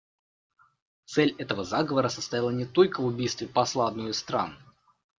Цель этого заговора состояла не только в убийстве посла одной из стран.